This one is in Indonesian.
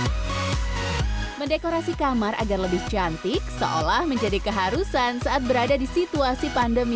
hai mendekorasi kamar agar lebih cantik seolah menjadi keharusan saat berada di situasi pandemi